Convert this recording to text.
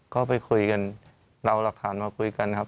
ก็ไปคุยกันเอาหลักฐานมาคุยกันครับ